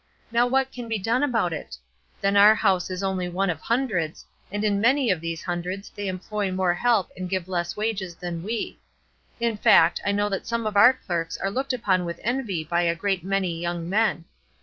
Now what can be done about it? Then our house is only one of hundreds, and in many of these hundreds they employ more help and give less wages than we; in fact, I know that some of our clerks are looked upon with envy by a great many young men.